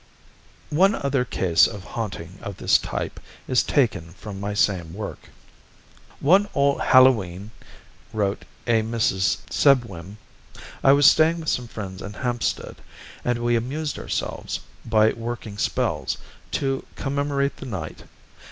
One other case of haunting of this type is taken from my same work. "One All Hallow E'en," wrote a Mrs. Sebuim, "I was staying with some friends in Hampstead, and we amused ourselves by working spells, to commemorate the night.